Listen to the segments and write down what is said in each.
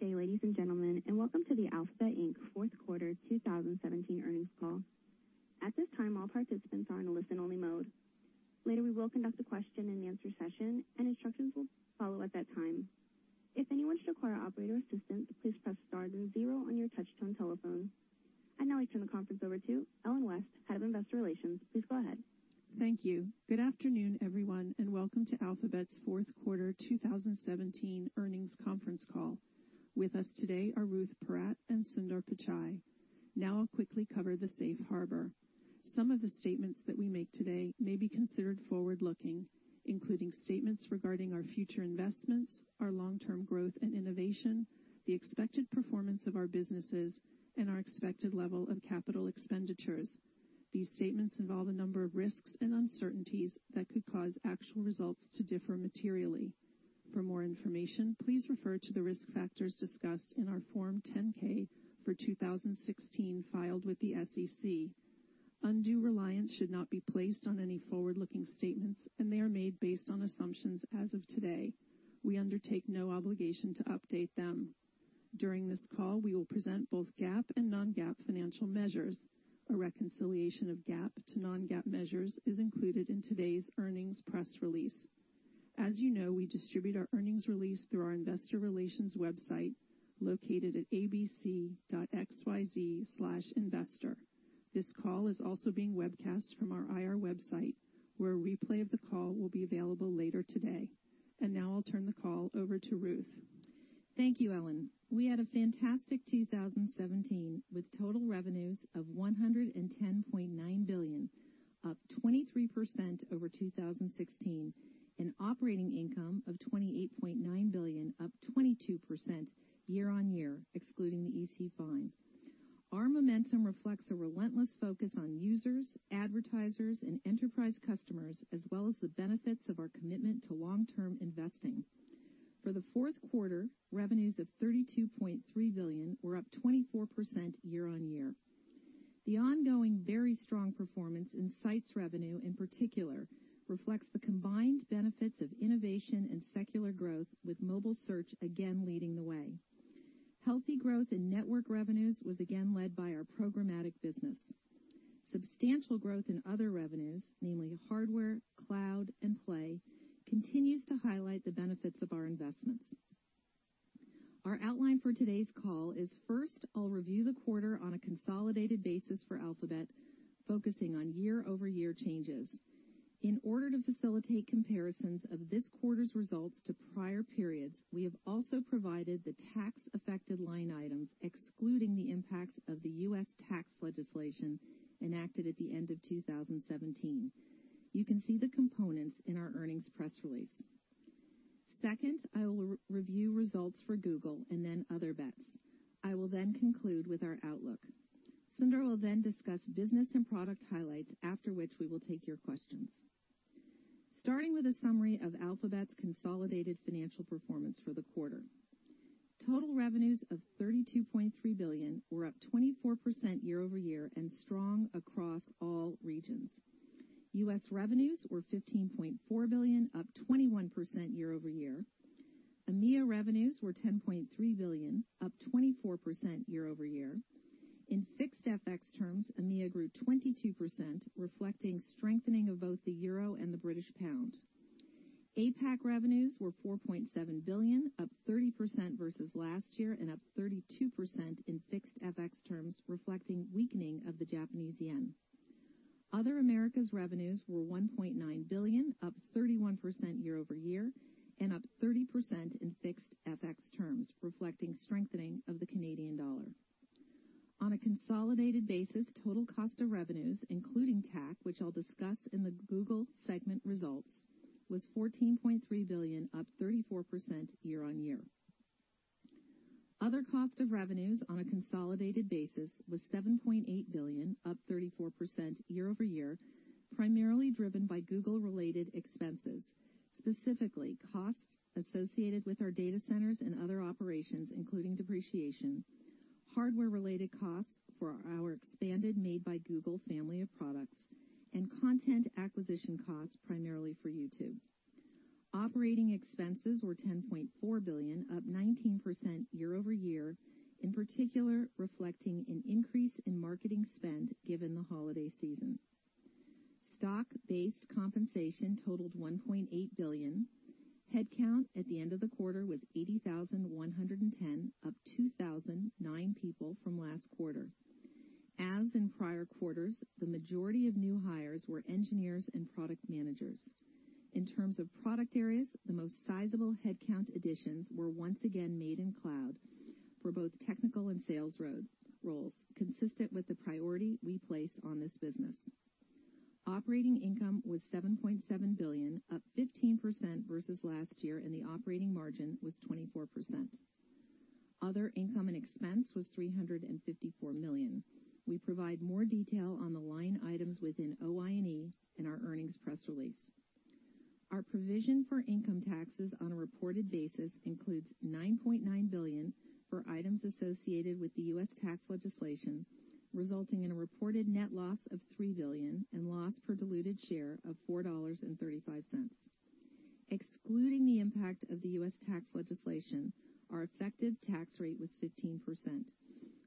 Good day, ladies and gentlemen, and welcome to the Alphabet Inc. Fourth Quarter 2017 earnings call. At this time, all participants are in a listen-only mode. Later, we will conduct a question-and-answer session, and instructions will follow at that time. If anyone should require operator assistance, please press star then zero on your touch-tone telephone. I'd now like to turn the conference over to Ellen West, Head of Investor Relations. Please go ahead. Thank you. Good afternoon, everyone, and welcome to Alphabet's Fourth Quarter 2017 earnings conference call. With us today are Ruth Porat and Sundar Pichai. Now, I'll quickly cover the safe harbor. Some of the statements that we make today may be considered forward-looking, including statements regarding our future investments, our long-term growth and innovation, the expected performance of our businesses, and our expected level of capital expenditures. These statements involve a number of risks and uncertainties that could cause actual results to differ materially. For more information, please refer to the risk factors discussed in our Form 10-K for 2016 filed with the SEC. Undue reliance should not be placed on any forward-looking statements, and they are made based on assumptions as of today. We undertake no obligation to update them. During this call, we will present both GAAP and non-GAAP financial measures. A reconciliation of GAAP to non-GAAP measures is included in today's earnings press release. As you know, we distribute our earnings release through our Investor Relations website located at abc.xyz/investor. This call is also being webcast from our IR website, where a replay of the call will be available later today, and now, I'll turn the call over to Ruth. Thank you, Ellen. We had a fantastic 2017 with total revenues of $110.9 billion, up 23% over 2016, and operating income of $28.9 billion, up 22% year-on-year, excluding the EC fine. Our momentum reflects a relentless focus on users, advertisers, and enterprise customers, as well as the benefits of our commitment to long-term investing. For the fourth quarter, revenues of $32.3 billion were up 24% year-on-year. The ongoing very strong performance in sites revenue, in particular, reflects the combined benefits of innovation and secular growth, with mobile Search again leading the way. Healthy growth in network revenues was again led by our programmatic business. Substantial growth in other revenues, namely hardware, cloud, and Play, continues to highlight the benefits of our investments. Our outline for today's call is, first, I'll review the quarter on a consolidated basis for Alphabet, focusing on year-over-year changes. In order to facilitate comparisons of this quarter's results to prior periods, we have also provided the TAC-affected line items, excluding the impact of the U.S. TAC legislation enacted at the end of 2017. You can see the components in our earnings press release. Second, I will review results for Google and then Other Bets. I will then conclude with our outlook. Sundar will then discuss business and product highlights, after which we will take your questions. Starting with a summary of Alphabet's consolidated financial performance for the quarter. Total revenues of $32.3 billion were up 24% year-over-year and strong across all regions. U.S. revenues were $15.4 billion, up 21% year-over-year. EMEA revenues were $10.3 billion, up 24% year-over-year. In fixed FX terms, EMEA grew 22%, reflecting strengthening of both the euro and the British pound. APAC revenues were $4.7 billion, up 30% versus last year, and up 32% in fixed FX terms, reflecting weakening of the Japanese yen. Other Americas revenues were $1.9 billion, up 31% year-over-year, and up 30% in fixed FX terms, reflecting strengthening of the Canadian dollar. On a consolidated basis, total cost of revenues, including tax, which I'll discuss in the Google segment results, was $14.3 billion, up 34% year-on-year. Other cost of revenues on a consolidated basis was $7.8 billion, up 34% year-over-year, primarily driven by Google-related expenses, specifically costs associated with our data centers and other operations, including depreciation, hardware-related costs for our expanded Made by Google family of products, and content acquisition costs, primarily for YouTube. Operating expenses were $10.4 billion, up 19% year-over-year, in particular reflecting an increase in marketing spend given the holiday season. Stock-based compensation totaled $1.8 billion. Headcount at the end of the quarter was 80,110, up 2,009 people from last quarter. As in prior quarters, the majority of new hires were engineers and product managers. In terms of product areas, the most sizable headcount additions were once again made in cloud for both technical and sales roles, consistent with the priority we placed on this business. Operating income was $7.7 billion, up 15% versus last year, and the operating margin was 24%. Other income and expense was $354 million. We provide more detail on the line items within OI&E in our earnings press release. Our provision for income taxes on a reported basis includes $9.9 billion for items associated with the U.S. tax legislation, resulting in a reported net loss of $3 billion and loss per diluted share of $4.35. Excluding the impact of the U.S. tax legislation, our effective tax rate was 15%.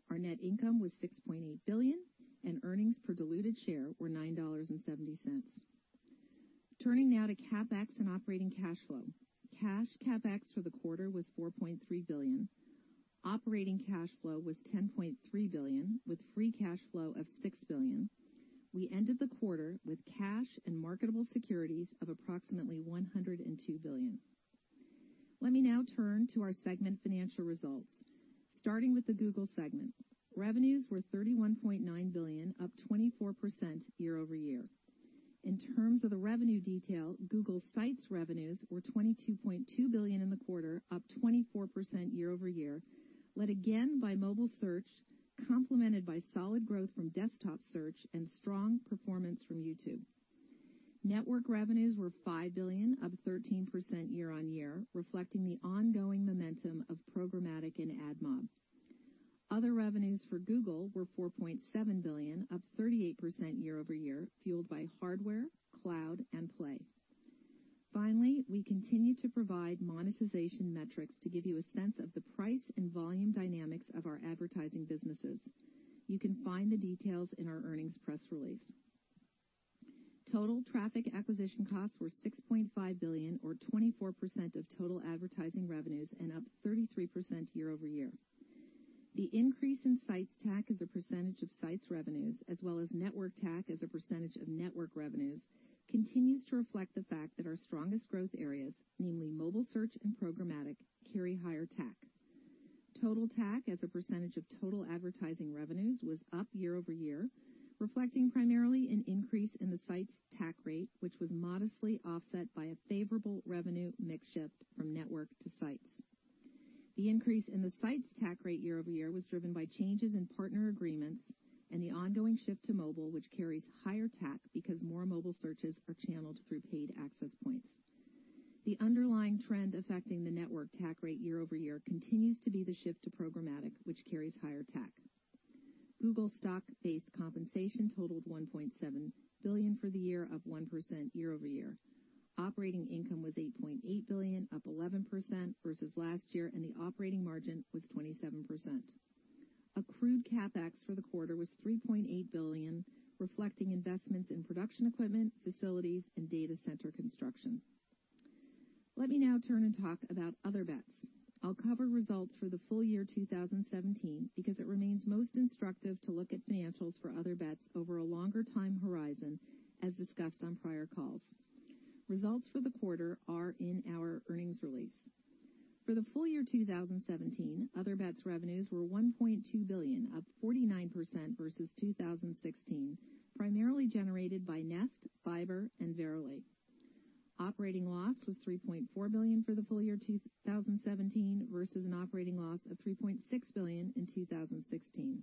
Our net income was $6.8 billion, and earnings per diluted share were $9.70. Turning now to CapEx and operating cash flow. Cash CapEx for the quarter was $4.3 billion. Operating cash flow was $10.3 billion, with free cash flow of $6 billion. We ended the quarter with cash and marketable securities of approximately $102 billion. Let me now turn to our segment financial results. Starting with the Google segment, revenues were $31.9 billion, up 24% year-over-year. In terms of the revenue detail, Google sites revenues were $22.2 billion in the quarter, up 24% year-over-year, led again by mobile search, complemented by solid growth from desktop search and strong performance from YouTube. Network revenues were $5 billion, up 13% year-on-year, reflecting the ongoing momentum of programmatic and AdMob. Other revenues for Google were $4.7 billion, up 38% year-over-year, fueled by hardware, cloud, and Play. Finally, we continue to provide monetization metrics to give you a sense of the price and volume dynamics of our advertising businesses. You can find the details in our earnings press release. Total traffic acquisition costs were $6.5 billion, or 24% of total advertising revenues, and up 33% year-over-year. The increase in sites TAC as a percentage of sites revenues, as well as network TAC as a percentage of network revenues, continues to reflect the fact that our strongest growth areas, namely mobile search and programmatic, carry higher TAC. Total TAC as a percentage of total advertising revenues was up year-over-year, reflecting primarily an increase in the sites TAC rate, which was modestly offset by a favorable revenue mix shift from network to sites. The increase in the sites TAC rate year-over-year was driven by changes in partner agreements and the ongoing shift to mobile, which carries higher TAC because more mobile searches are channeled through paid access points. The underlying trend affecting the network TAC rate year-over-year continues to be the shift to programmatic, which carries higher tax. Google stock-based compensation totaled $1.7 billion for the year, up 1% year-over-year. Operating income was $8.8 billion, up 11% versus last year, and the operating margin was 27%. Accrued CapEx for the quarter was $3.8 billion, reflecting investments in production equipment, facilities, and data center construction. Let me now turn and talk about Other Bets. I'll cover results for the full year 2017 because it remains most instructive to look at financials for Other Bets over a longer time horizon, as discussed on prior calls. Results for the quarter are in our earnings release. For the full year 2017, Other Bets revenues were $1.2 billion, up 49% versus 2016, primarily generated by Nest, Fiber, and Verily. Operating loss was $3.4 billion for the full year 2017 versus an operating loss of $3.6 billion in 2016.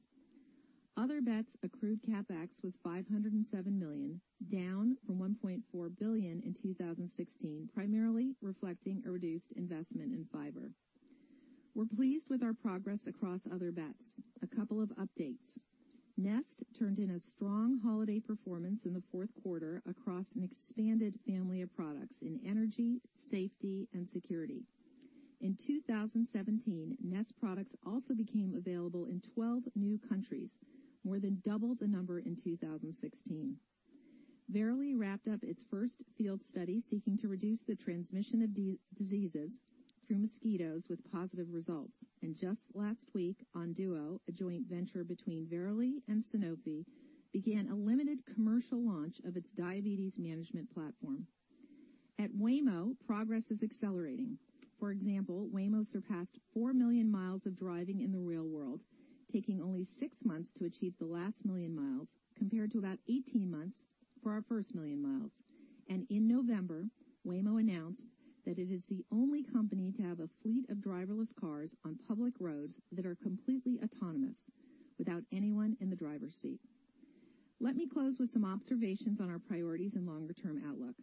Other Bets accrued CapEx was $507 million, down from $1.4 billion in 2016, primarily reflecting a reduced investment in Fiber. We're pleased with our progress across Other Bets. A couple of updates. Nest turned in a strong holiday performance in the fourth quarter across an expanded family of products in energy, safety, and security. In 2017, Nest products also became available in 12 new countries, more than double the number in 2016. Verily wrapped up its first field study seeking to reduce the transmission of diseases through mosquitoes with positive results, and just last week, Onduo, a joint venture between Verily and Sanofi, began a limited commercial launch of its diabetes management platform. At Waymo, progress is accelerating. For example, Waymo surpassed four million miles of driving in the real world, taking only six months to achieve the last million miles, compared to about 18 months for our first million miles. And in November, Waymo announced that it is the only company to have a fleet of driverless cars on public roads that are completely autonomous, without anyone in the driver's seat. Let me close with some observations on our priorities and longer-term outlook.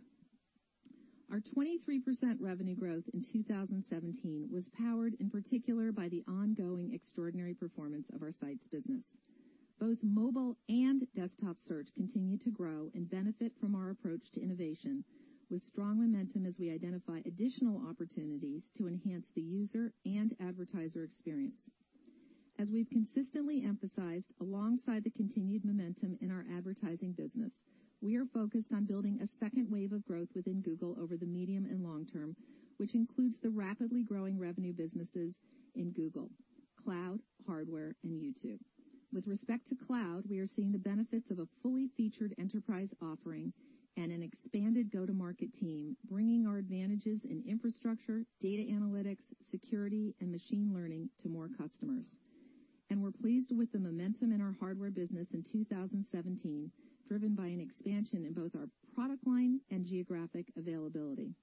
Our 23% revenue growth in 2017 was powered, in particular, by the ongoing extraordinary performance of our sites business. Both mobile and desktop search continue to grow and benefit from our approach to innovation, with strong momentum as we identify additional opportunities to enhance the user and advertiser experience. As we've consistently emphasized, alongside the continued momentum in our advertising business, we are focused on building a second wave of growth within Google over the medium and long term, which includes the rapidly growing revenue businesses in Google: cloud, hardware, and YouTube. With respect to cloud, we are seeing the benefits of a fully featured enterprise offering and an expanded go-to-market team, bringing our advantages in infrastructure, data analytics, security, and machine learning to more customers, and we're pleased with the momentum in our hardware business in 2017, driven by an expansion in both our product line and geographic availability.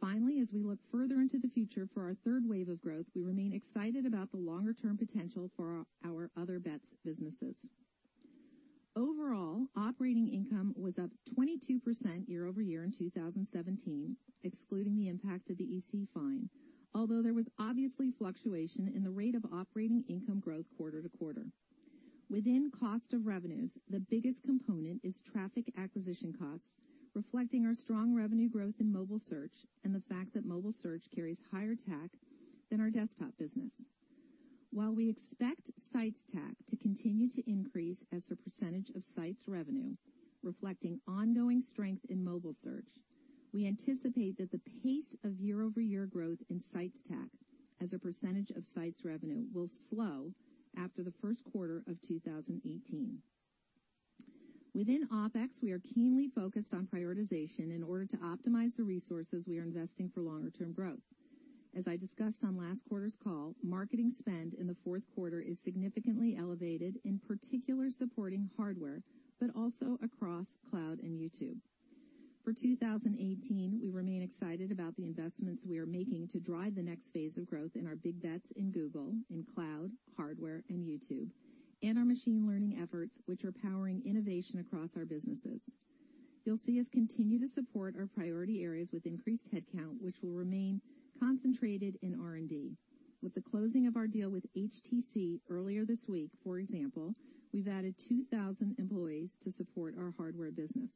Finally, as we look further into the future for our third wave of growth, we remain excited about the longer-term potential for our Other Bets businesses. Overall, operating income was up 22% year-over-year in 2017, excluding the impact of the EC fine, although there was obviously fluctuation in the rate of operating income growth quarter-to-quarter. Within cost of revenues, the biggest component is traffic acquisition costs, reflecting our strong revenue growth in mobile search and the fact that mobile search carries higher TAC than our desktop business. While we expect sites TAC to continue to increase as a percentage of sites revenue, reflecting ongoing strength in mobile search, we anticipate that the pace of year-over-year growth in sites TAC as a percentage of sites revenue will slow after the first quarter of 2018. Within OpEx, we are keenly focused on prioritization in order to optimize the resources we are investing for longer-term growth. As I discussed on last quarter's call, marketing spend in the fourth quarter is significantly elevated, in particular supporting hardware, but also across cloud and YouTube. For 2018, we remain excited about the investments we are making to drive the next phase of growth in our big bets in Google, in cloud, hardware, and YouTube, and our machine learning efforts, which are powering innovation across our businesses. You'll see us continue to support our priority areas with increased headcount, which will remain concentrated in R&D. With the closing of our deal with HTC earlier this week, for example, we've added 2,000 employees to support our hardware business.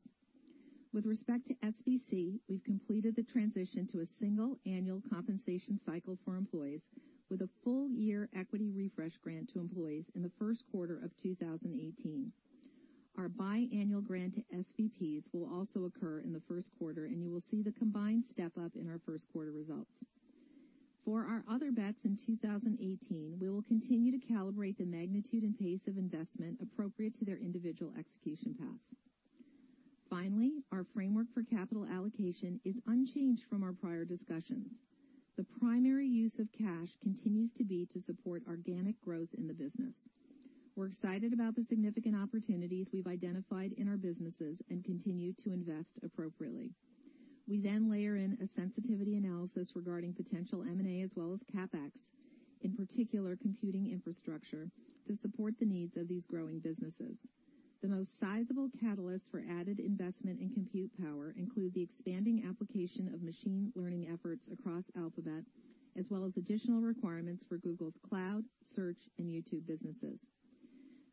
With respect to SBC, we've completed the transition to a single annual compensation cycle for employees, with a full-year equity refresh grant to employees in the first quarter of 2018. Our biannual grant to SVPs will also occur in the first quarter, and you will see the combined step-up in our first quarter results. For our Other Bets in 2018, we will continue to calibrate the magnitude and pace of investment appropriate to their individual execution paths. Finally, our framework for capital allocation is unchanged from our prior discussions. The primary use of cash continues to be to support organic growth in the business. We're excited about the significant opportunities we've identified in our businesses and continue to invest appropriately. We then layer in a sensitivity analysis regarding potential M&A as well as CapEx, in particular computing infrastructure, to support the needs of these growing businesses. The most sizable catalysts for added investment in compute power include the expanding application of machine learning efforts across Alphabet, as well as additional requirements for Google's cloud, search, and YouTube businesses.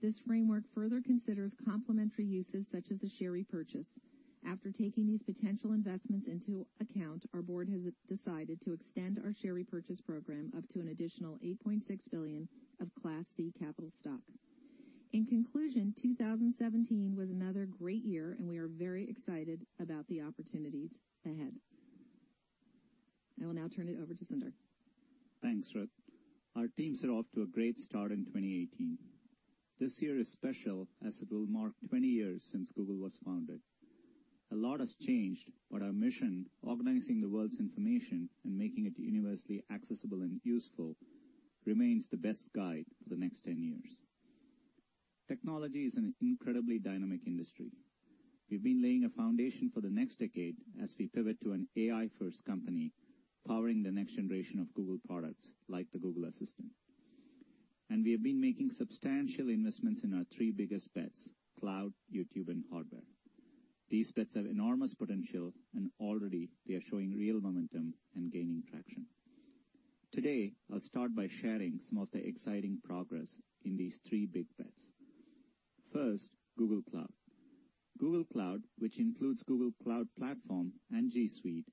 This framework further considers complementary uses such as a share repurchase. After taking these potential investments into account, our Board has decided to extend our share repurchase program up to an additional $8.6 billion of Class C capital stock. In conclusion, 2017 was another great year, and we are very excited about the opportunities ahead. I will now turn it over to Sundar. Thanks, Ruth. Our teams are off to a great start in 2018. This year is special as it will mark 20 years since Google was founded. A lot has changed, but our mission, organizing the world's information and making it universally accessible and useful, remains the best guide for the next 10 years. Technology is an incredibly dynamic industry. We've been laying a foundation for the next decade as we pivot to an AI-first company powering the next generation of Google products, like the Google Assistant, and we have been making substantial investments in our three biggest bets: cloud, YouTube, and hardware. These bets have enormous potential, and already they are showing real momentum and gaining traction. Today, I'll start by sharing some of the exciting progress in these three big bets. First, Google Cloud. Google Cloud, which includes Google Cloud Platform and G Suite,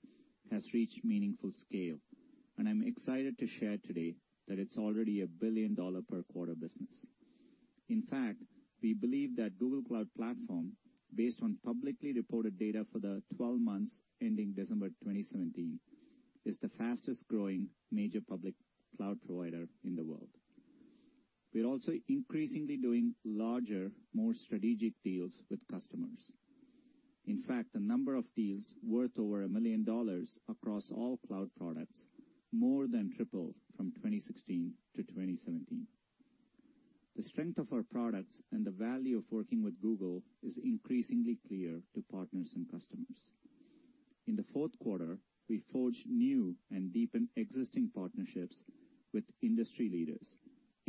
has reached meaningful scale, and I'm excited to share today that it's already a $1 billion-per-quarter business. In fact, we believe that Google Cloud Platform, based on publicly reported data for the 12 months ending December 2017, is the fastest-growing major public cloud provider in the world. We're also increasingly doing larger, more strategic deals with customers. In fact, the number of deals worth over $1 million across all cloud products more than tripled from 2016 to 2017. The strength of our products and the value of working with Google is increasingly clear to partners and customers. In the fourth quarter, we forged new and deepened existing partnerships with industry leaders,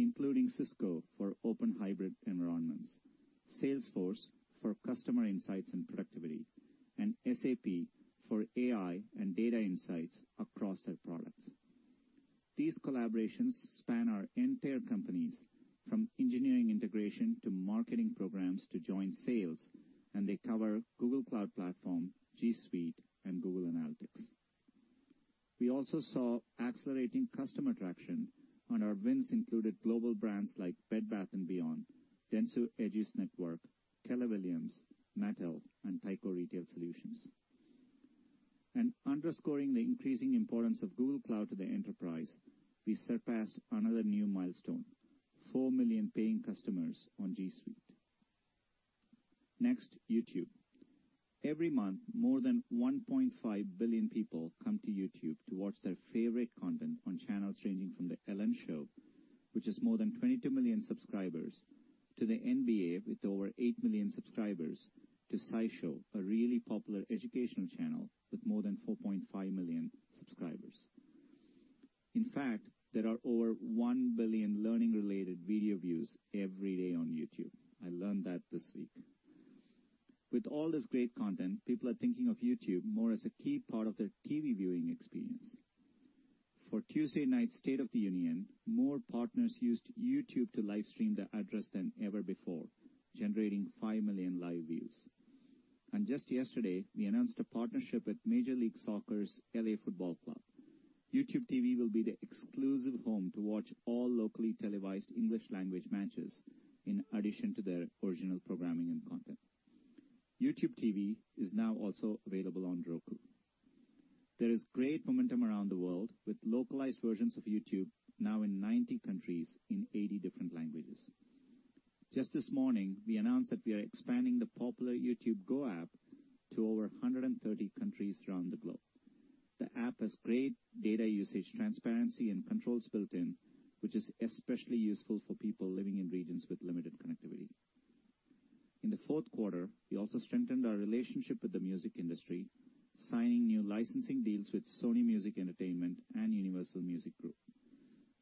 including Cisco for open hybrid environments, Salesforce for customer insights and productivity, and SAP for AI and data insights across their products. These collaborations span our entire companies, from engineering integration to marketing programs to joint sales, and they cover Google Cloud Platform, G Suite, and Google Analytics. We also saw accelerating customer traction, and our wins included global brands like Bed Bath & Beyond, Dentsu Aegis Network, Keller Williams, Mattel, and Tyco Retail Solutions. Underscoring the increasing importance of Google Cloud to the enterprise, we surpassed another new milestone: 4 million paying customers on G Suite. Next, YouTube. Every month, more than 1.5 billion people come to YouTube to watch their favorite content on channels ranging from The Ellen Show, which has more than 22 million subscribers, to the NBA with over 8 million subscribers, to SciShow, a really popular educational channel with more than 4.5 million subscribers. In fact, there are over 1 billion learning-related video views every day on YouTube. I learned that this week. With all this great content, people are thinking of YouTube more as a key part of their TV viewing experience. For Tuesday night's State of the Union, more partners used YouTube to livestream their address than ever before, generating five million live views, and just yesterday, we announced a partnership with Major League Soccer's LA Football Club. YouTube TV will be the exclusive home to watch all locally televised English-language matches in addition to their original programming and content. YouTube TV is now also available on Roku. There is great momentum around the world with localized versions of YouTube now in 90 countries in 80 different languages. Just this morning, we announced that we are expanding the popular YouTube Go app to over 130 countries around the globe. The app has great data usage transparency and controls built-in, which is especially useful for people living in regions with limited connectivity. In the fourth quarter, we also strengthened our relationship with the music industry, signing new licensing deals with Sony Music Entertainment and Universal Music Group.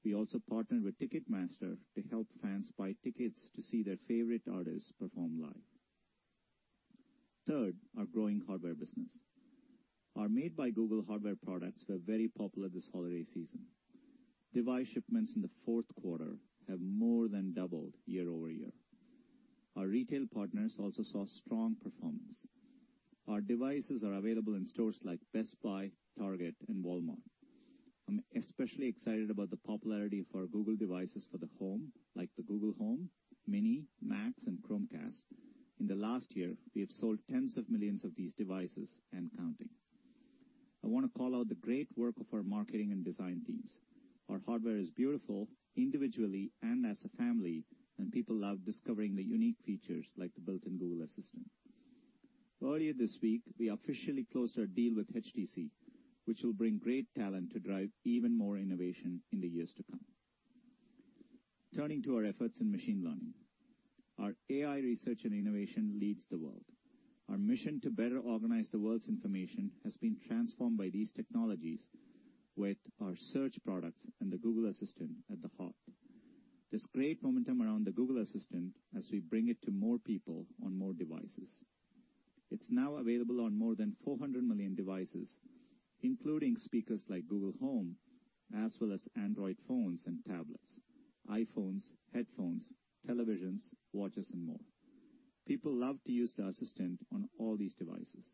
We also partnered with Ticketmaster to help fans buy tickets to see their favorite artists perform live. Third, our growing hardware business. Our Made by Google hardware products were very popular this holiday season. Device shipments in the fourth quarter have more than doubled year-over-year. Our retail partners also saw strong performance. Our devices are available in stores like Best Buy, Target, and Walmart. I'm especially excited about the popularity of our Google devices for the home, like the Google Home, Mini, Max, and Chromecast. In the last year, we have sold tens of millions of these devices and counting. I want to call out the great work of our marketing and design teams. Our hardware is beautiful, individually and as a family, and people love discovering the unique features like the built-in Google Assistant. Earlier this week, we officially closed our deal with HTC, which will bring great talent to drive even more innovation in the years to come. Turning to our efforts in machine learning, our AI research and innovation leads the world. Our mission to better organize the world's information has been transformed by these technologies, with our search products and the Google Assistant at the heart. There's great momentum around the Google Assistant as we bring it to more people on more devices. It's now available on more than 400 million devices, including speakers like Google Home, as well as Android phones and tablets, iPhones, headphones, televisions, watches, and more. People love to use the Assistant on all these devices.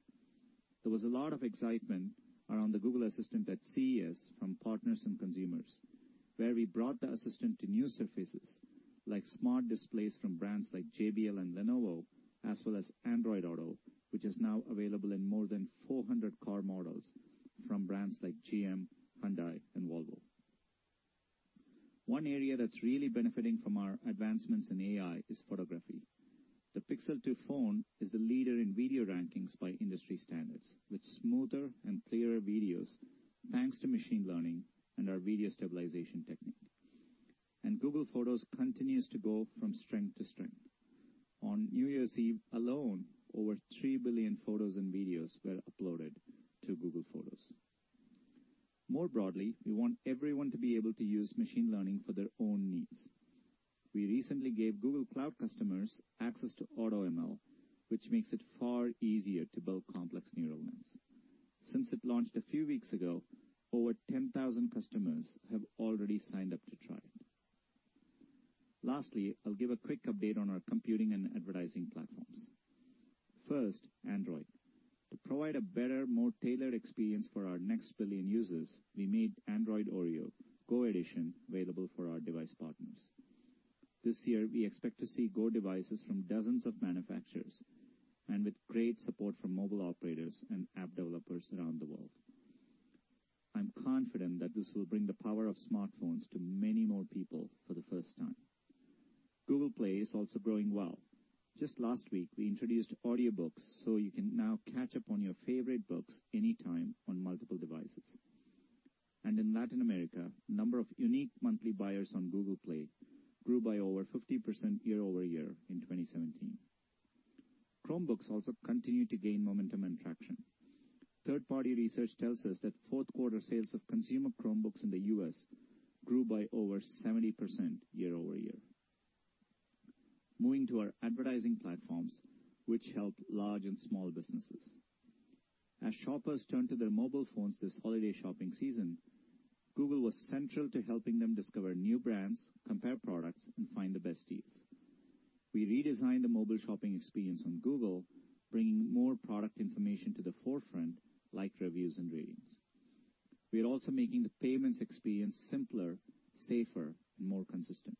There was a lot of excitement around the Google Assistant at CES from partners and consumers, where we brought the Assistant to new surfaces, like smart displays from brands like JBL and Lenovo, as well as Android Auto, which is now available in more than 400 car models from brands like GM, Hyundai, and Volvo. One area that's really benefiting from our advancements in AI is photography. The Pixel 2 phone is the leader in video rankings by industry standards, with smoother and clearer videos thanks to machine learning and our video stabilization technique. And Google Photos continues to go from strength to strength. On New Year's Eve alone, over three billion photos and videos were uploaded to Google Photos. More broadly, we want everyone to be able to use machine learning for their own needs. We recently gave Google Cloud customers access to AutoML, which makes it far easier to build complex neural nets. Since it launched a few weeks ago, over 10,000 customers have already signed up to try it. Lastly, I'll give a quick update on our computing and advertising platforms. First, Android. To provide a better, more tailored experience for our next billion users, we made Android Oreo (Go edition) available for our device partners. This year, we expect to see Go devices from dozens of manufacturers and with great support from mobile operators and app developers around the world. I'm confident that this will bring the power of smartphones to many more people for the first time. Google Play is also growing well. Just last week, we introduced audiobooks so you can now catch up on your favorite books anytime on multiple devices. In Latin America, the number of unique monthly buyers on Google Play grew by over 50% year-over-year in 2017. Chromebooks also continue to gain momentum and traction. Third-party research tells us that fourth-quarter sales of consumer Chromebooks in the U.S. grew by over 70% year-over-year. Moving to our advertising platforms, which help large and small businesses. As shoppers turn to their mobile phones this holiday shopping season, Google was central to helping them discover new brands, compare products, and find the best deals. We redesigned the mobile shopping experience on Google, bringing more product information to the forefront, like reviews and ratings. We are also making the payments experience simpler, safer, and more consistent.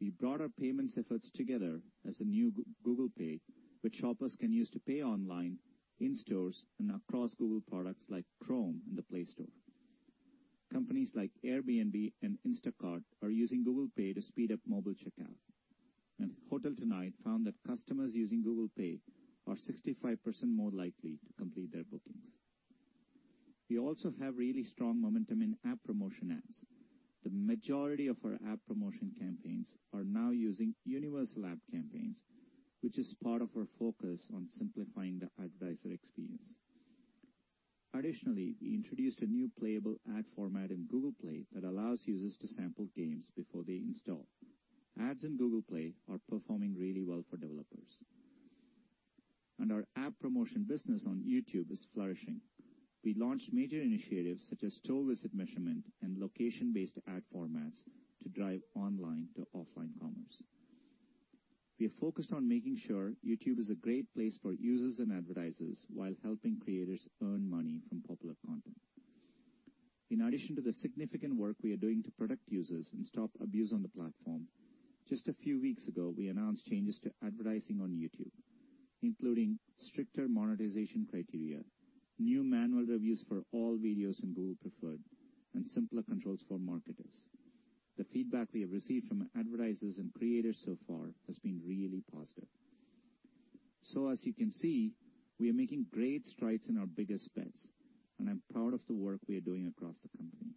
We brought our payments efforts together as a new Google Pay, which shoppers can use to pay online, in stores, and across Google products like Chrome and the Play Store. Companies like Airbnb and Instacart are using Google Pay to speed up mobile checkout. And HotelTonight found that customers using Google Pay are 65% more likely to complete their bookings. We also have really strong momentum in app promotion ads. The majority of our app promotion campaigns are now using Universal App campaigns, which is part of our focus on simplifying the advertiser experience. Additionally, we introduced a new playable ad format in Google Play that allows users to sample games before they install. Ads in Google Play are performing really well for developers. And our app promotion business on YouTube is flourishing. We launched major initiatives such as store visit measurement and location-based ad formats to drive online to offline commerce. We are focused on making sure YouTube is a great place for users and advertisers while helping creators earn money from popular content. In addition to the significant work we are doing to protect users and stop abuse on the platform, just a few weeks ago, we announced changes to advertising on YouTube, including stricter monetization criteria, new manual reviews for all videos in Google Preferred, and simpler controls for marketers. The feedback we have received from advertisers and creators so far has been really positive. So, as you can see, we are making great strides in our biggest bets, and I'm proud of the work we are doing across the company.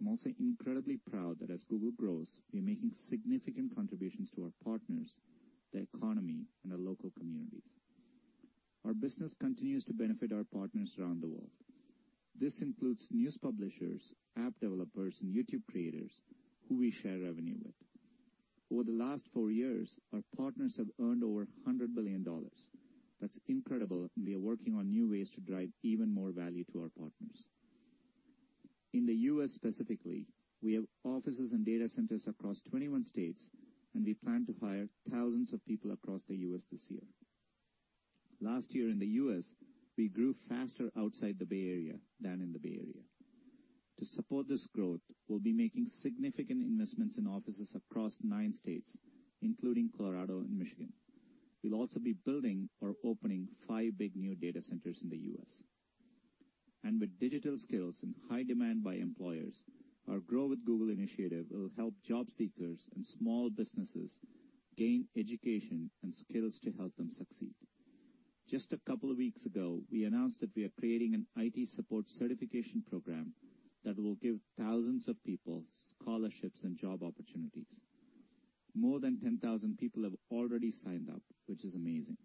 I'm also incredibly proud that as Google grows, we are making significant contributions to our partners, the economy, and our local communities. Our business continues to benefit our partners around the world. This includes news publishers, app developers, and YouTube creators who we share revenue with. Over the last four years, our partners have earned over $100 billion. That's incredible, and we are working on new ways to drive even more value to our partners. In the U.S. specifically, we have offices and data centers across 21 states, and we plan to hire thousands of people across the U.S. this year. Last year in the U.S., we grew faster outside the Bay Area than in the Bay Area. To support this growth, we'll be making significant investments in offices across nine states, including Colorado and Michigan. We'll also be building or opening five big new data centers in the U.S. And with digital skills in high demand by employers, our Grow with Google initiative will help job seekers and small businesses gain education and skills to help them succeed. Just a couple of weeks ago, we announced that we are creating an IT support certification program that will give thousands of people scholarships and job opportunities. More than 10,000 people have already signed up, which is amazing.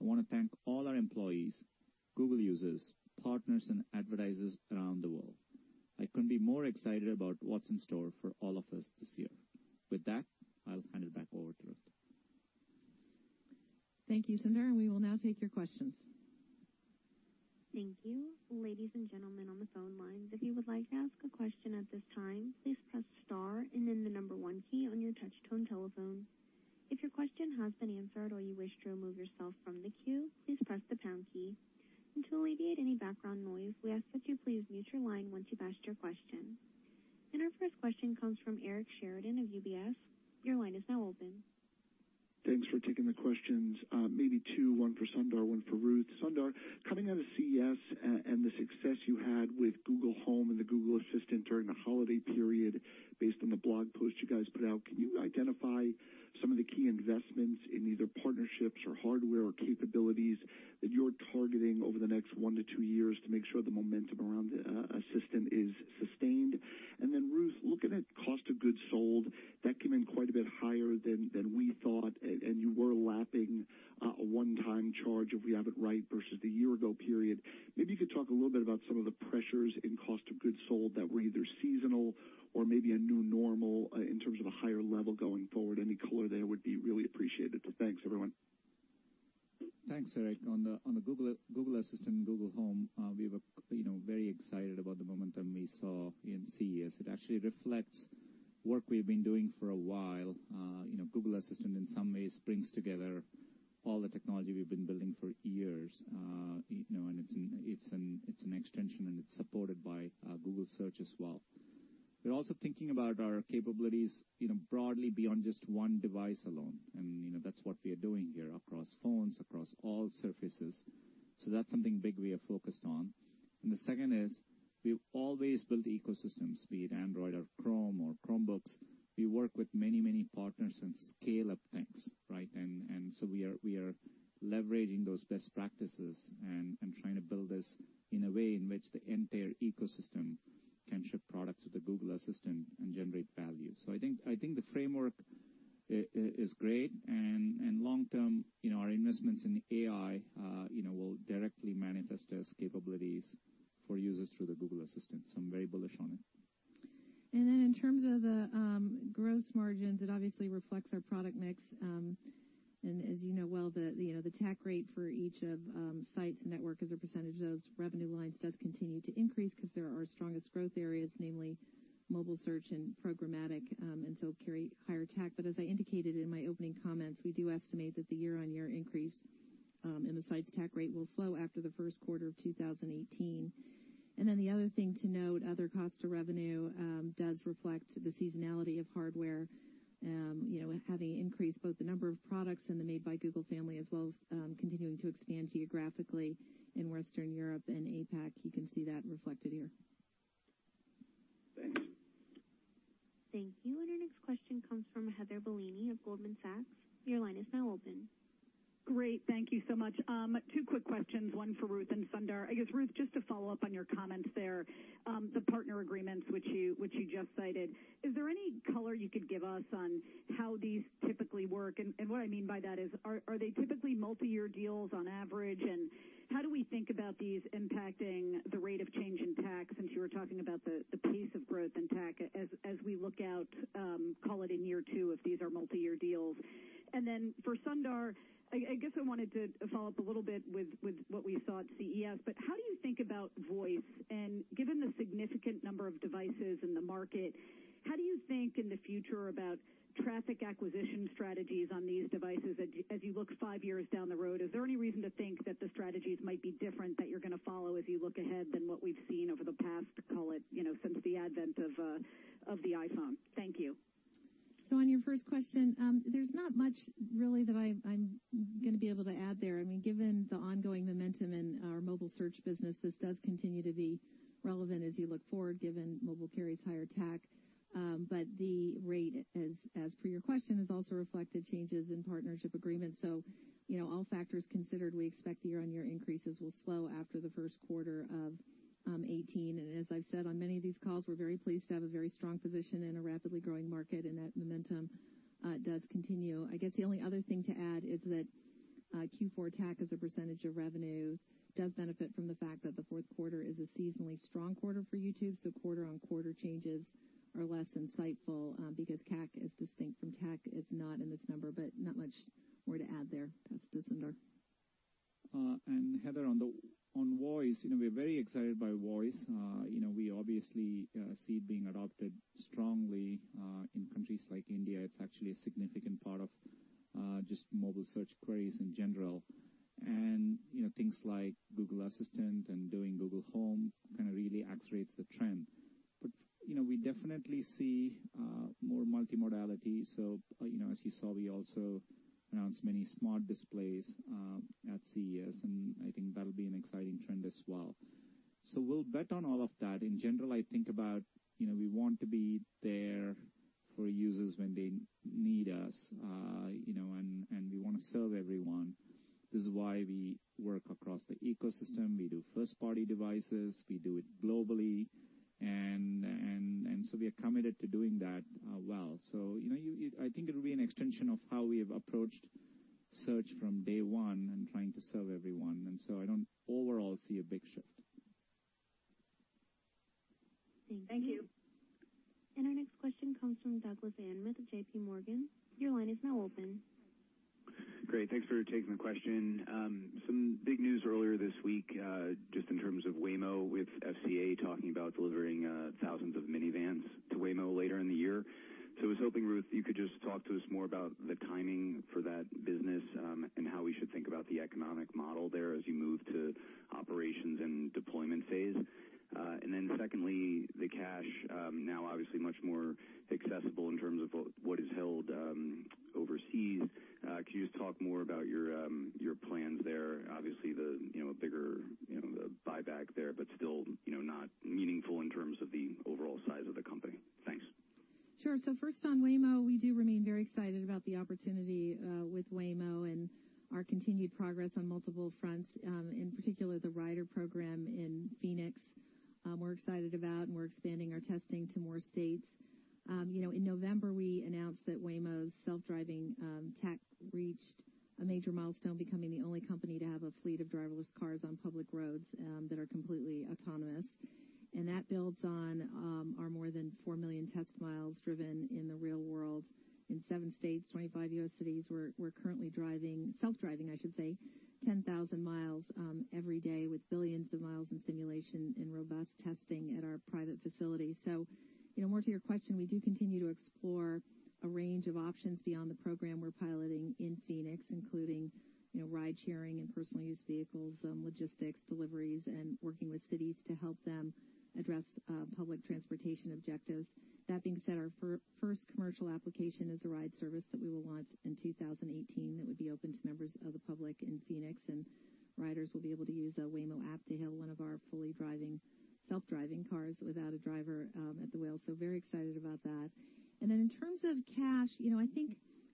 I want to thank all our employees, Google users, partners, and advertisers around the world. I couldn't be more excited about what's in store for all of us this year. With that, I'll hand it back over to Ruth. Thank you, Sundar, and we will now take your questions. Thank you. Ladies and gentlemen on the phone lines, if you would like to ask a question at this time, please press star and then the number one key on your touch-tone telephone. If your question has been answered or you wish to remove yourself from the queue, please press the pound key. And to alleviate any background noise, we ask that you please mute your line once you've asked your question. And our first question comes from Eric Sheridan of UBS. Your line is now open. Thanks for taking the questions. Maybe two, one for Sundar, one for Ruth. Sundar, coming out of CES and the success you had with Google Home and the Google Assistant during the holiday period, based on the blog post you guys put out, can you identify some of the key investments in either partnerships or hardware or capabilities that you're targeting over the next one to two years to make sure the momentum around the Assistant is sustained? And then, Ruth, looking at cost of goods sold, that came in quite a bit higher than we thought, and you were lapping a one-time charge if we have it right versus the year-ago period. Maybe you could talk a little bit about some of the pressures in cost of goods sold that were either seasonal or maybe a new normal in terms of a higher level going forward. Any color there would be really appreciated. So thanks, everyone. Thanks, Eric. On the Google Assistant and Google Home, we were very excited about the momentum we saw in CES. It actually reflects work we've been doing for a while. Google Assistant, in some ways, brings together all the technology we've been building for years, and it's an extension, and it's supported by Google Search as well. We're also thinking about our capabilities broadly beyond just one device alone, and that's what we are doing here across phones, across all surfaces. So that's something big we are focused on. And the second is we've always built ecosystems, be it Android or Chrome or Chromebooks. We work with many, many partners and scale-up things, right? We are leveraging those best practices and trying to build this in a way in which the entire ecosystem can ship products with the Google Assistant and generate value. I think the framework is great, and long-term, our investments in AI will directly manifest as capabilities for users through the Google Assistant. I'm very bullish on it. Then, in terms of the gross margins, it obviously reflects our product mix. As you know well, the TAC rate for each of sites and network as a percentage of those revenue lines does continue to increase because they are the strongest growth areas, namely mobile search and programmatic, and so they carry higher TAC. As I indicated in my opening comments, we do estimate that the year-on-year increase in the sites' TAC rate will slow after the first quarter of 2018. Then the other thing to note, other costs to revenue does reflect the seasonality of hardware, having increased both the number of products and the Made by Google family, as well as continuing to expand geographically in Western Europe and APAC. You can see that reflected here. Thanks. Thank you. Our next question comes from Heather Bellini of Goldman Sachs. Your line is now open. Great. Thank you so much. Two quick questions, one for Ruth and Sundar. I guess, Ruth, just to follow up on your comments there, the partner agreements which you just cited, is there any color you could give us on how these typically work? And what I mean by that is, are they typically multi-year deals on average? And how do we think about these impacting the rate of change in TAC since you were talking about the pace of growth in TAC as we look out, call it a year two if these are multi-year deals? And then for Sundar, I guess I wanted to follow up a little bit with what we saw at CES. But how do you think about voice? And given the significant number of devices in the market, how do you think in the future about traffic acquisition strategies on these devices as you look five years down the road? Is there any reason to think that the strategies might be different that you're going to follow as you look ahead than what we've seen over the past, call it, since the advent of the iPhone? Thank you. So on your first question, there's not much really that I'm going to be able to add there, I mean, given the ongoing momentum in our mobile search business, this does continue to be relevant as you look forward, given mobile queries' higher TAC. But the rate, as per your question, has also reflected changes in partnership agreements, so all factors considered, we expect the year-on-year increases will slow after the first quarter of 2018, and as I've said on many of these calls, we're very pleased to have a very strong position in a rapidly growing market, and that momentum does continue. I guess the only other thing to add is that Q4 TAC as a percentage of revenues does benefit from the fact that the fourth quarter is a seasonally strong quarter for YouTube, so quarter-on-quarter changes are less insightful because CAC is distinct from TAC. It's not in this number, but not much more to add there. Pass it to Sundar. And Heather, on voice, we're very excited by voice. We obviously see it being adopted strongly in countries like India. It's actually a significant part of just mobile search queries in general. And things like Google Assistant and doing Google Home kind of really accelerates the trend. But we definitely see more multimodality. So as you saw, we also announced many smart displays at CES, and I think that'll be an exciting trend as well. So we'll bet on all of that. In general, I think about we want to be there for users when they need us, and we want to serve everyone. This is why we work across the ecosystem. We do first-party devices. We do it globally. And so we are committed to doing that well. So I think it'll be an extension of how we have approached search from day one and trying to serve everyone. And so I don't overall see a big shift. Thank you. And our next question comes from Douglas Anmuth with JPMorgan. Your line is now open. Great. Thanks for taking the question. Some big news earlier this week, just in terms of Waymo, with FCA talking about delivering thousands of minivans to Waymo later in the year. So I was hoping, Ruth, you could just talk to us more about the timing for that business and how we should think about the economic model there as you move to operations and deployment phase. And then secondly, the cash, now obviously much more accessible in terms of what is held overseas. Could you just talk more about your plans there? Obviously, a bigger buyback there, but still not meaningful in terms of the overall size of the company. Thanks. Sure. So first on Waymo, we do remain very excited about the opportunity with Waymo and our continued progress on multiple fronts, in particular the Rider program in Phoenix. We're excited about, and we're expanding our testing to more states. In November, we announced that Waymo's self-driving TAC reached a major milestone, becoming the only company to have a fleet of driverless cars on public roads that are completely autonomous, and that builds on our more than four million test miles driven in the real world in seven states, 25 U.S. cities. We're currently driving, self-driving, I should say, 10,000 miles every day with billions of miles in simulation and robust testing at our private facility. So, more to your question, we do continue to explore a range of options beyond the program we're piloting in Phoenix, including ride-sharing and personal-use vehicles, logistics, deliveries, and working with cities to help them address public transportation objectives. That being said, our first commercial application is a ride service that we will launch in 2018 that would be open to members of the public in Phoenix. And riders will be able to use a Waymo app to hail one of our fully driving, self-driving cars without a driver at the wheel. So very excited about that. And then in terms of cash, I think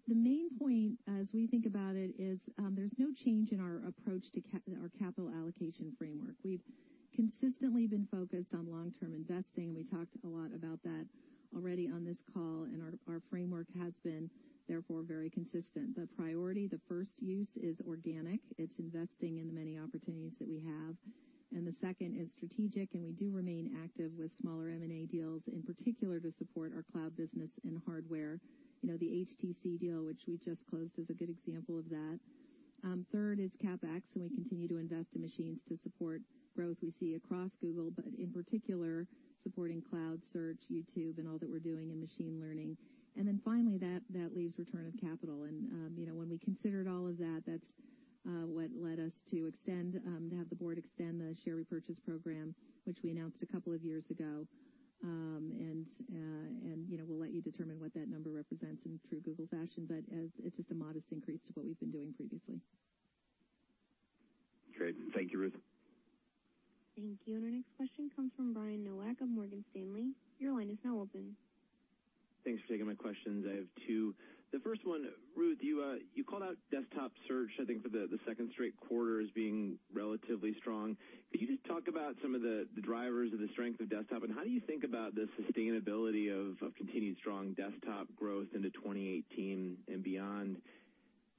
the main point as we think about it is there's no change in our approach to our capital allocation framework. We've consistently been focused on long-term investing, and we talked a lot about that already on this call, and our framework has been, therefore, very consistent. The priority, the first use is organic. It's investing in the many opportunities that we have. And the second is strategic, and we do remain active with smaller M&A deals, in particular to support our cloud business and hardware. The HTC deal, which we just closed, is a good example of that. Third is CapEx, and we continue to invest in machines to support growth we see across Google, but in particular, supporting Cloud, Search, YouTube, and all that we're doing in machine learning. And then finally, that leaves return of capital. And when we considered all of that, that's what led us to extend, to have the Board extend the share repurchase program, which we announced a couple of years ago. And we'll let you determine what that number represents in true Google fashion, but it's just a modest increase to what we've been doing previously. Great. Thank you, Ruth. Thank you. And our next question comes from Brian Nowak of Morgan Stanley. Your line is now open. Thanks for taking my questions. I have two. The first one, Ruth, you called out desktop search, I think, for the second straight quarter as being relatively strong. Could you just talk about some of the drivers of the strength of desktop, and how do you think about the sustainability of continued strong desktop growth into 2018 and beyond?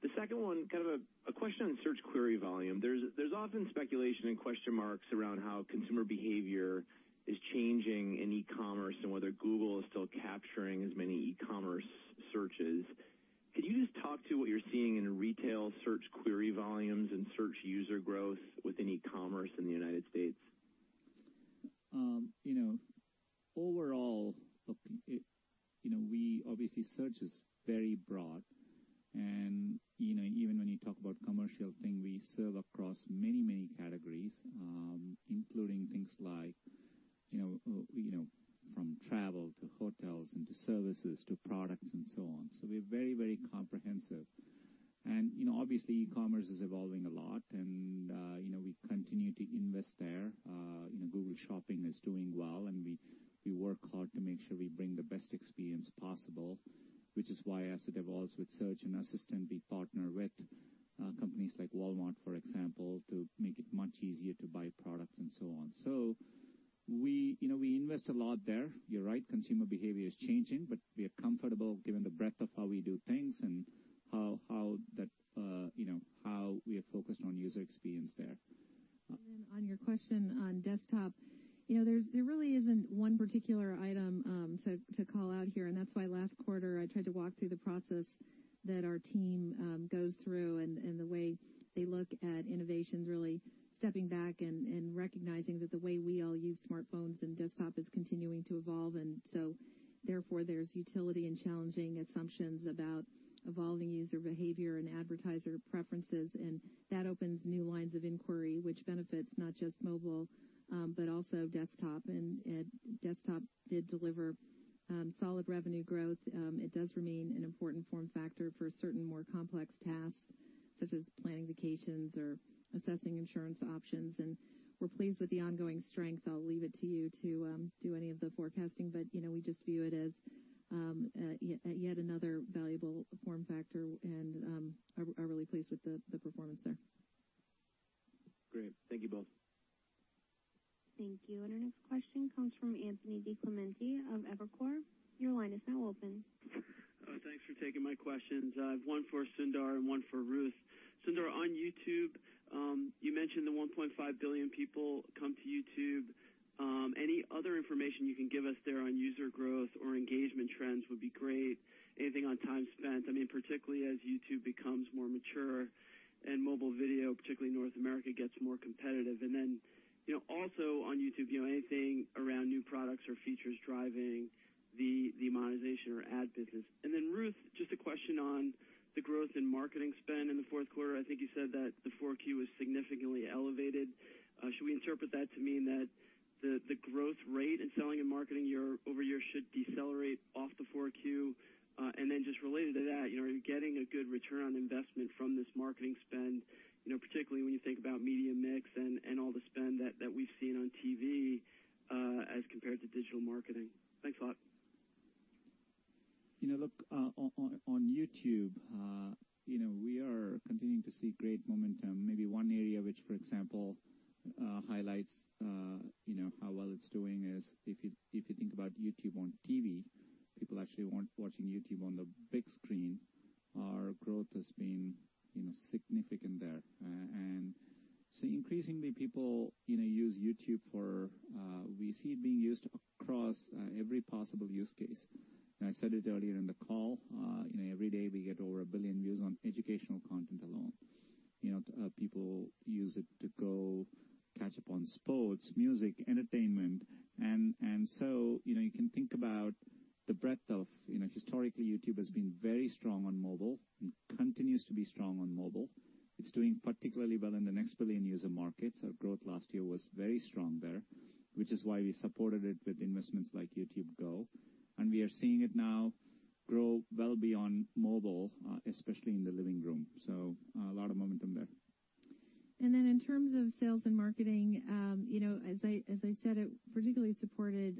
The second one, kind of a question on search query volume. There's often speculation and question marks around how consumer behavior is changing in e-commerce and whether Google is still capturing as many e-commerce searches. Could you just talk to what you're seeing in retail search query volumes and search user growth within e-commerce in the United States? Overall, we obviously search is very broad. And even when you talk about commercial things, we serve across many, many categories, including things like, from travel to hotels and to services to products and so on. So we're very, very comprehensive. And obviously, e-commerce is evolving a lot, and we continue to invest there. Google Shopping is doing well, and we work hard to make sure we bring the best experience possible, which is why, as it evolves with Search and Assistant, we partner with companies like Walmart, for example, to make it much easier to buy products and so on. So we invest a lot there. You're right. Consumer behavior is changing, but we are comfortable given the breadth of how we do things and how we are focused on user experience there. And then on your question on desktop, there really isn't one particular item to call out here. And that's why last quarter, I tried to walk through the process that our team goes through and the way they look at innovations, really stepping back and recognizing that the way we all use smartphones and desktop is continuing to evolve. And so therefore, there's utility in challenging assumptions about evolving user behavior and advertiser preferences. And that opens new lines of inquiry, which benefits not just mobile, but also desktop. And desktop did deliver solid revenue growth. It does remain an important form factor for certain more complex tasks, such as planning vacations or assessing insurance options. And we're pleased with the ongoing strength. I'll leave it to you to do any of the forecasting, but we just view it as yet another valuable form factor, and are really pleased with the performance there. Great. Thank you both. Thank you. And our next question comes from Anthony DiClemente of Evercore. Your line is now open. Thanks for taking my questions. I have one for Sundar and one for Ruth. Sundar, on YouTube, you mentioned the 1.5 billion people come to YouTube. Any other information you can give us there on user growth or engagement trends would be great. Anything on time spent, I mean, particularly as YouTube becomes more mature and mobile video, particularly North America, gets more competitive. And then also on YouTube, anything around new products or features driving the monetization or ad business. And then Ruth, just a question on the growth in marketing spend in the fourth quarter. I think you said that the 4Q was significantly elevated. Should we interpret that to mean that the growth rate in selling and marketing year-over-year should decelerate off the 4Q? And then just related to that, are you getting a good return on investment from this marketing spend, particularly when you think about media mix and all the spend that we've seen on TV as compared to digital marketing? Thanks a lot. Look, on YouTube, we are continuing to see great momentum. Maybe one area which, for example, highlights how well it's doing is if you think about YouTube on TV, people are actually watching YouTube on the big screen. Our growth has been significant there. And so increasingly, people use YouTube. We see it being used across every possible use case. I said it earlier in the call. Every day, we get over a billion views on educational content alone. People use it to go catch up on sports, music, entertainment, and so you can think about the breadth, historically, YouTube has been very strong on mobile and continues to be strong on mobile. It's doing particularly well in the next billion user markets. Our growth last year was very strong there, which is why we supported it with investments like YouTube Go, and we are seeing it now grow well beyond mobile, especially in the living room, so a lot of momentum there. And then in terms of sales and marketing, as I said, it particularly supported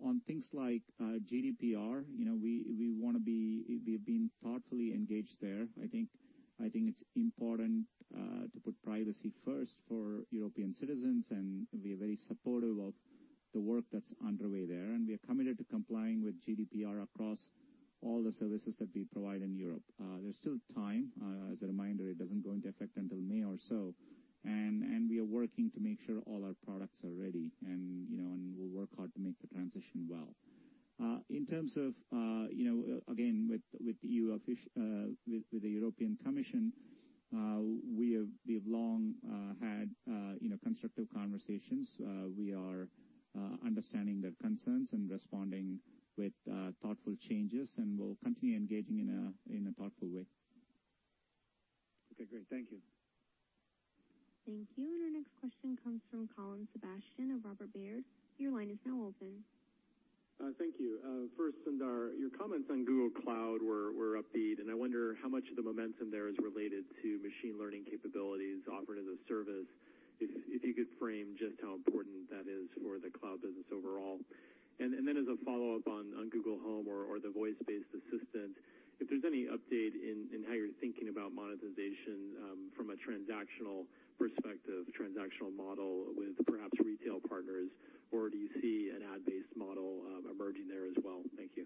On things like GDPR, we want to be. We have been thoughtfully engaged there. I think it's important to put privacy first for European citizens, and we are very supportive of the work that's underway there, and we are committed to complying with GDPR across all the services that we provide in Europe. There's still time. As a reminder, it doesn't go into effect until May or so. And we are working to make sure all our products are ready, and we'll work hard to make the transition well. In terms of, again, with the EU, with the European Commission, we have long had constructive conversations. We are understanding their concerns and responding with thoughtful changes, and we'll continue engaging in a thoughtful way. Okay. Great. Thank you. Thank you. And our next question comes from Colin Sebastian of Robert Baird. Your line is now open. Thank you. First, Sundar, your comments on Google Cloud were upbeat, and I wonder how much of the momentum there is related to machine learning capabilities offered as a service. If you could frame just how important that is for the cloud business overall. And then as a follow-up on Google Home or the voice-based assistant, if there's any update in how you're thinking about monetization from a transactional perspective, transactional model with perhaps retail partners, or do you see an ad-based model emerging there as well? Thank you.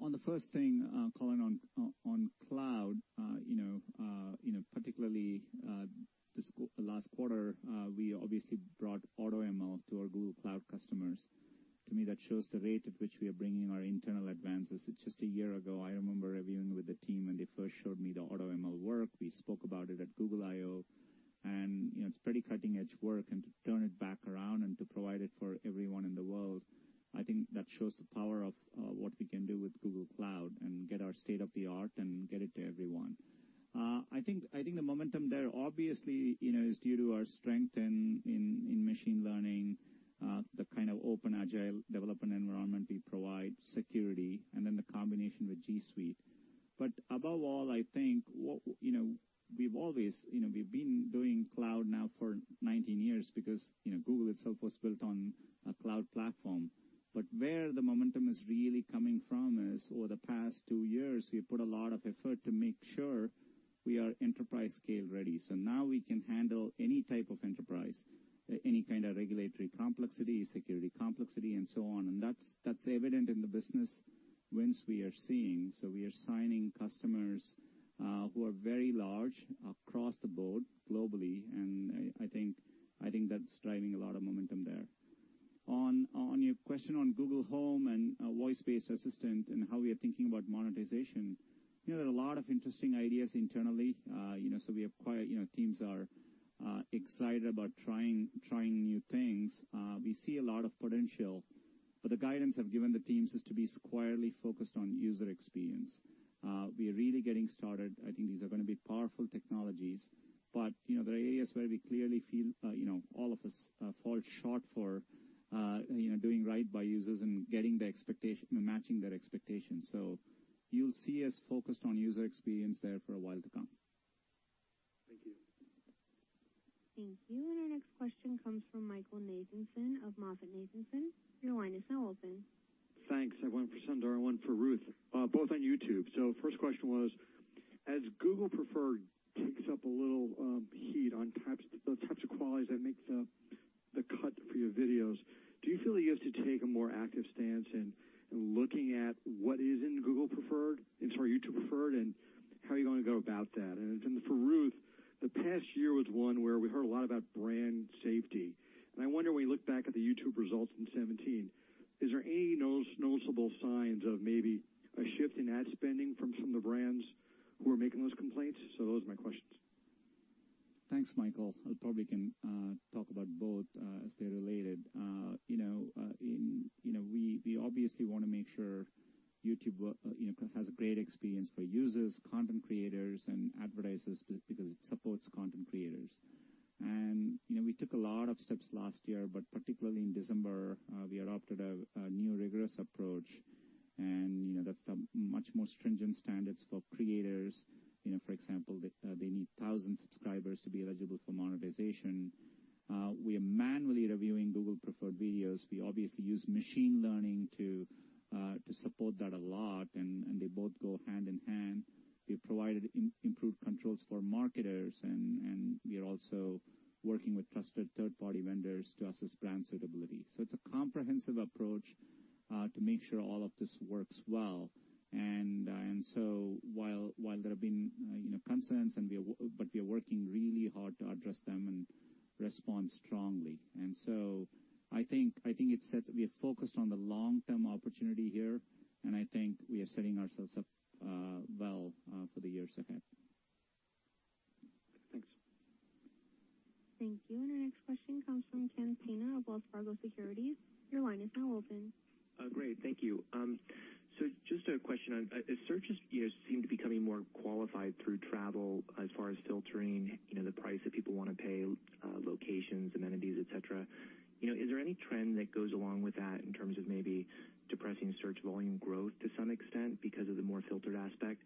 On the first thing, Colin, on cloud, particularly last quarter, we obviously brought AutoML to our Google Cloud customers. To me, that shows the rate at which we are bringing our internal advances. Just a year ago, I remember reviewing with the team, and they first showed me the AutoML work. We spoke about it at Google I/O, and it's pretty cutting-edge work. And to turn it back around and to provide it for everyone in the world, I think that shows the power of what we can do with Google Cloud and get our state-of-the-art and get it to everyone. I think the momentum there obviously is due to our strength in machine learning, the kind of open agile development environment we provide, security, and then the combination with G Suite, but above all, I think we've always been doing cloud now for 19 years because Google itself was built on a cloud platform, but where the momentum is really coming from is over the past two years, we put a lot of effort to make sure we are enterprise-scale ready, so now we can handle any type of enterprise, any kind of regulatory complexity, security complexity, and so on, and that's evident in the business wins we are seeing, so we are signing customers who are very large across-the-board globally, and I think that's driving a lot of momentum there. On your question on Google Home and voice-based assistant and how we are thinking about monetization, there are a lot of interesting ideas internally. So we have a lot of teams that are excited about trying new things. We see a lot of potential, but the guidance I've given the teams is to be squarely focused on user experience. We are really getting started. I think these are going to be powerful technologies, but there are areas where we clearly feel all of us fall short for doing right by users and getting the expectation and matching their expectations. So you'll see us focused on user experience there for a while to come. Thank you. Thank you, and our next question comes from Michael Nathanson of MoffettNathanson. Your line is now open. Thanks. For Sundar and Ruth, both on YouTube. So first question was, as Google Preferred takes up a little heat on the types of qualities that make the cut for your videos, do you feel you have to take a more active stance in looking at what is in Google Preferred, I'm sorry, YouTube Preferred, and how are you going to go about that? And for Ruth, the past year was one where we heard a lot about brand safety. And I wonder when you look back at the YouTube results in 2017, is there any noticeable signs of maybe a shift in ad spending from some of the brands who are making those complaints? So those are my questions. Thanks, Michael. I probably can talk about both as they're related. We obviously want to make sure YouTube has a great experience for users, content creators, and advertisers because it supports content creators. And we took a lot of steps last year, but particularly in December, we adopted a new rigorous approach, and that's much more stringent standards for creators. For example, they need thousands of subscribers to be eligible for monetization. We are manually reviewing Google Preferred videos. We obviously use machine learning to support that a lot, and they both go hand in hand. We provided improved controls for marketers, and we are also working with trusted third-party vendors to assess brand suitability. So it's a comprehensive approach to make sure all of this works well. And so while there have been concerns, but we are working really hard to address them and respond strongly. And so I think we have focused on the long-term opportunity here, and I think we are setting ourselves up well for the years ahead. Thanks. Thank you. And our next question comes from Ken Sena of Wells Fargo Securities. Your line is now open. Great. Thank you. So just a question. searches seem to be becoming more qualified through travel as far as filtering the price that people want to pay, locations, amenities, etc. Is there any trend that goes along with that in terms of maybe depressing search volume growth to some extent because of the more filtered aspect?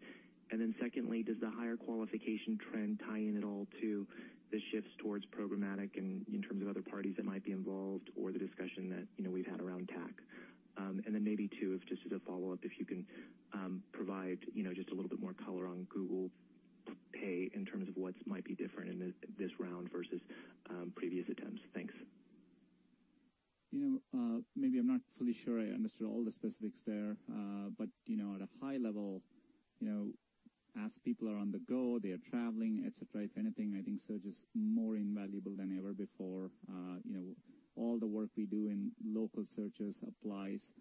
And then secondly, does the higher qualification trend tie in at all to the shifts towards programmatic and in terms of other parties that might be involved or the discussion that we've had around TAC? And then maybe too, just as a follow-up, if you can provide just a little bit more color on Google Pay in terms of what might be different in this round versus previous attempts. Thanks. Maybe I'm not fully sure I understood all the specifics there, but at a high level, as people are on the go, they are traveling, etc., if anything, I think search is more invaluable than ever before. All the work we do in local searches applies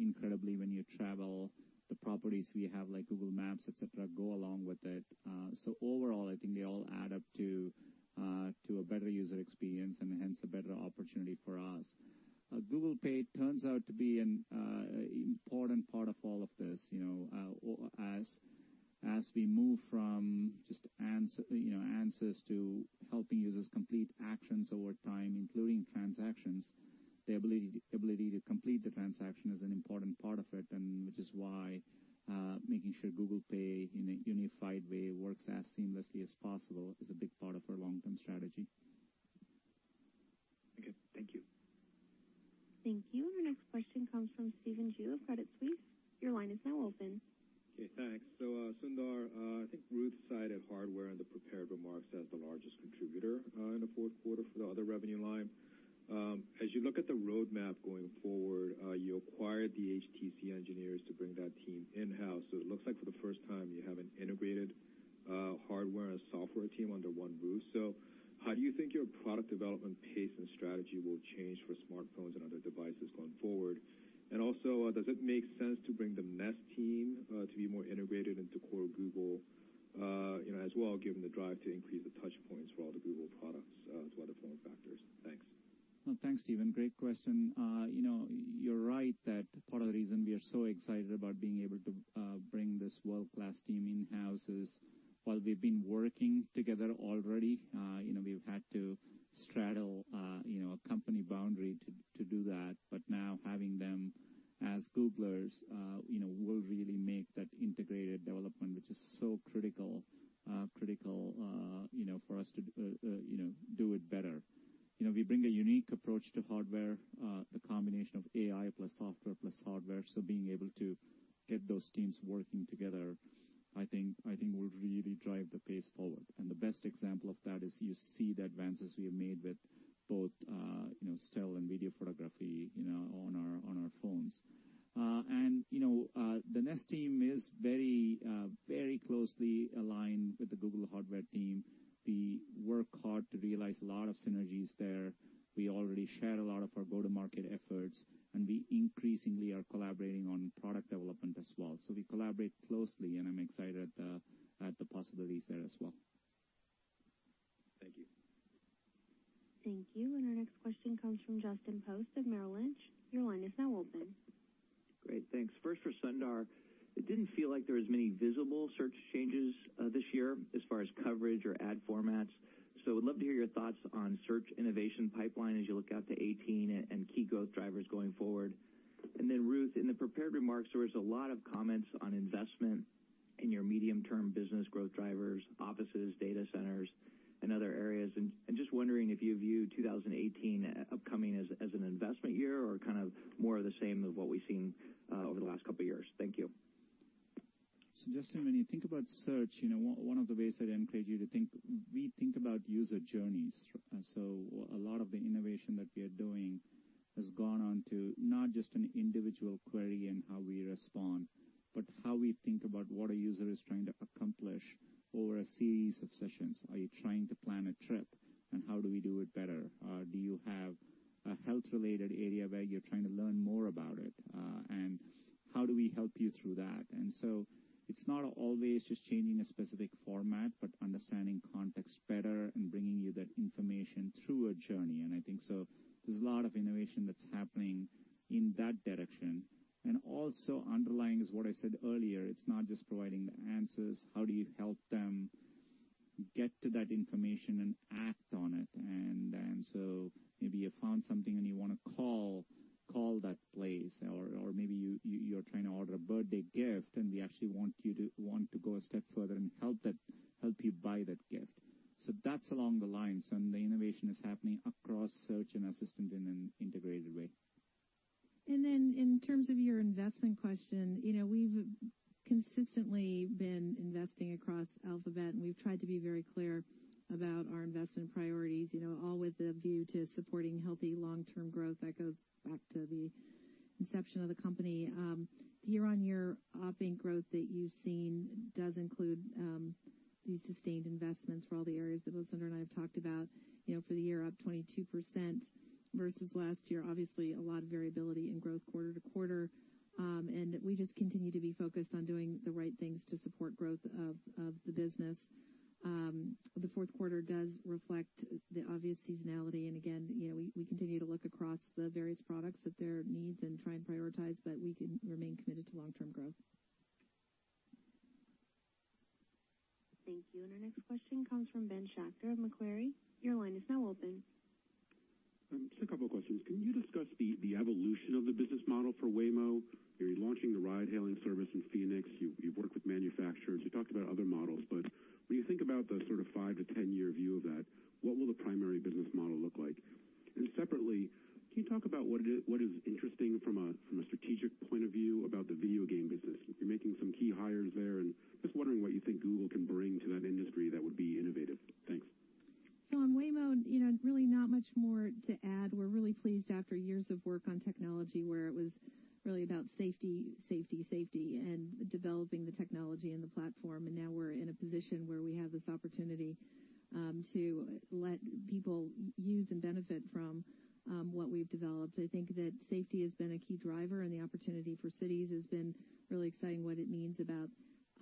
incredibly when you travel. The properties we have, like Google Maps, etc., go along with it. So overall, I think they all add up to a better user experience and hence a better opportunity for us. Google Pay turns out to be an important part of all of this. As we move from just answers to helping users complete actions over time, including transactions, the ability to complete the transaction is an important part of it, which is why making sure Google Pay in a unified way works as seamlessly as possible is a big part of our long-term strategy. Thank you. Thank you. Our next question comes from Stephen Ju of Credit Suisse. Your line is now open. Okay. Thanks. Sundar, I think Ruth cited hardware and the prepared remarks as the largest contributor in the fourth quarter for the other revenue line. As you look at the roadmap going forward, you acquired the HTC engineers to bring that team in-house. It looks like for the first time, you have an integrated hardware and software team under one roof. How do you think your product development pace and strategy will change for smartphones and other devices going forward? Also, does it make sense to bring the Nest team to be more integrated into core Google as well, given the drive to increase the touchpoints for all the Google products to other form factors? Thanks. Thanks, Stephen. Great question. You're right that part of the reason we are so excited about being able to bring this world-class team in-house is, while we've been working together already, we've had to straddle a company boundary to do that. But now having them as Googlers will really make that integrated development, which is so critical for us to do it better. We bring a unique approach to hardware, the combination of AI plus software plus hardware. So being able to get those teams working together, I think, will really drive the pace forward. And the best example of that is you see the advances we have made with both still and video photography on our phones. And the Nest team is very closely aligned with the Google hardware team. We work hard to realize a lot of synergies there. We already share a lot of our go-to-market efforts, and we increasingly are collaborating on product development as well. So we collaborate closely, and I'm excited at the possibilities there as well. Thank you. Thank you. And our next question comes from Justin Post of Merrill Lynch. Your line is now open. Great. Thanks. First for Sundar, it didn't feel like there were as many visible search changes this year as far as coverage or ad formats. So I would love to hear your thoughts on search innovation pipeline as you look out to 2018 and key growth drivers going forward. And then Ruth, in the prepared remarks, there were a lot of comments on investment in your medium-term business growth drivers, offices, data centers, and other areas. And just wondering if you view 2018 upcoming as an investment year or kind of more of the same of what we've seen over the last couple of years. Thank you. So Justin, when you think about Search, one of the ways that I encourage you to think, we think about user journeys. So a lot of the innovation that we are doing has gone on to not just an individual query and how we respond, but how we think about what a user is trying to accomplish over a series of sessions. Are you trying to plan a trip, and how do we do it better? Do you have a health-related area where you're trying to learn more about it? And how do we help you through that? It's not always just changing a specific format, but understanding context better and bringing you that information through a journey. I think so there's a lot of innovation that's happening in that direction. Also underlying is what I said earlier. It's not just providing the answers. How do you help them get to that information and act on it? Maybe you found something and you want to call that place, or maybe you're trying to order a birthday gift, and we actually want you to want to go a step further and help you buy that gift. That's along the lines. The innovation is happening across search and assistant in an integrated way. And then in terms of your investment question, we've consistently been investing across Alphabet, and we've tried to be very clear about our investment priorities, all with a view to supporting healthy long-term growth that goes back to the inception of the company. The year-on-year op inc growth that you've seen does include these sustained investments for all the areas that both Sundar and I have talked about. For the year, up 22% versus last year. Obviously, a lot of variability in growth quarter-to-quarter. And we just continue to be focused on doing the right things to support growth of the business. The fourth quarter does reflect the obvious seasonality. And again, we continue to look across the various products at their needs and try and prioritize, but we can remain committed to long-term growth. Thank you. And our next question comes from Ben Schachter of Macquarie. Your line is now open. Just a couple of questions. Can you discuss the evolution of the business model for Waymo? You're launching the ride-hailing service in Phoenix. You've worked with manufacturers. You talked about other models. But when you think about the sort of five to 10-year view of that, what will the primary business model look like? And separately, can you talk about what is interesting from a strategic point of view about the video game business? You're making some key hires there, and just wondering what you think Google can bring to that industry that would be innovative. Thanks. So on Waymo, really not much more to add. We're really pleased after years of work on technology where it was really about safety, safety, safety, and developing the technology and the platform. Now we're in a position where we have this opportunity to let people use and benefit from what we've developed. I think that safety has been a key driver, and the opportunity for cities has been really exciting, what it means about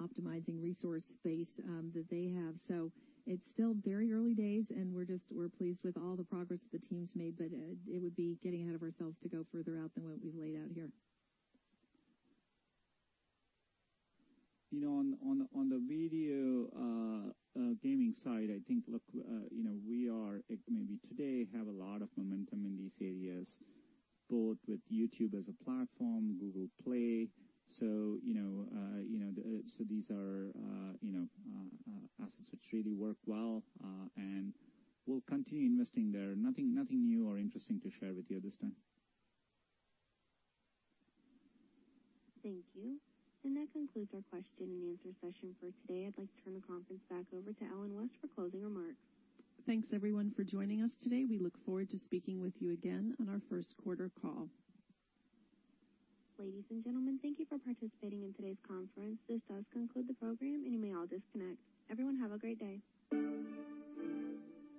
optimizing resource space that they have. So it's still very early days, and we're pleased with all the progress that the team's made, but it would be getting ahead of ourselves to go further out than what we've laid out here. On the video gaming side, I think we are maybe today have a lot of momentum in these areas, both with YouTube as a platform, Google Play. So these are assets which really work well, and we'll continue investing there. Nothing new or interesting to share with you at this time. Thank you. That concludes our question-and-answer session for today. I'd like to turn the conference back over to Ellen West for closing remarks. Thanks, everyone, for joining us today. We look forward to speaking with you again on our first quarter call. Ladies and gentlemen, thank you for participating in today's conference. This does conclude the program, and you may all disconnect. Everyone, have a great day.